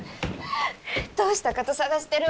どうしたかと捜してるわ。